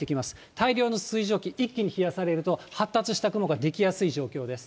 大量の水蒸気、一気に冷やされると、発達した雲が出来やすい状況です。